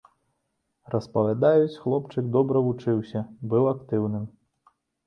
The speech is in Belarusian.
Распавядаюць, хлопчык добра вучыўся, быў актыўным.